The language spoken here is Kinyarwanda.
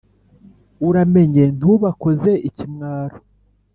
Uramenye ntubakoze ikimwaro